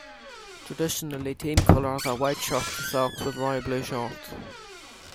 Traditionally, team colours are white shirts and socks with royal blue shorts.